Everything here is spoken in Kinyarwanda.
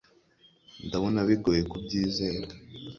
ndabona bigoye kubyizera